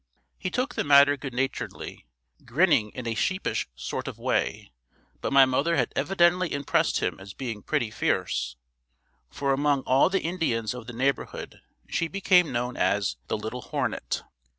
He took the matter good naturedly, grinning in a sheepish sort of way, but my mother had evidently impressed him as being pretty fierce, for among all the Indians of the neighborhood she became known as the "Little Hornet."